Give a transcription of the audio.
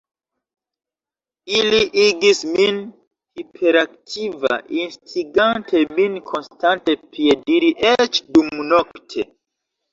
Ili igis min hiperaktiva, instigante min konstante piediri, eĉ dumnokte.